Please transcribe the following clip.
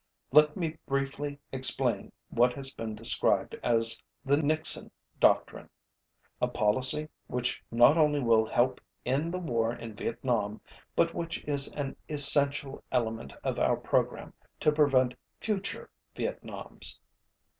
Let me briefly explain what has been described as the "Nixon Doctrine" a policy which not only will help end the war in Vietnam but which is an essential element of our program to prevent future Vietnams.